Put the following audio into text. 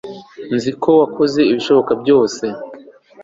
nzi ko wakoze ibishoboka byose